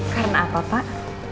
karena apa pak